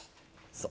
そう。